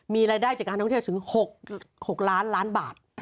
มีรายได้จากการท่องเที่ยวถึง๖ล้านล้านบาท